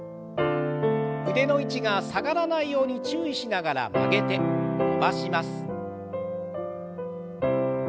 腕の位置が下がらないように注意しながら曲げて伸ばします。